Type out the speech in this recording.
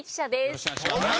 よろしくお願いします。